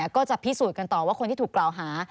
ก็จะพิสูจน์กันต่อว่าคนที่ถูกกล่าวหา